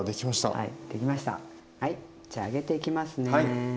はいじゃあ揚げていきますね。